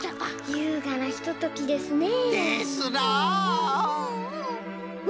ゆうがなひとときですね。ですな。